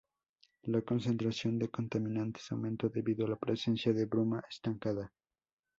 La concentración de contaminantes aumentó debido a la presencia de bruma estancada.